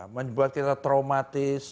membuat kita traumatis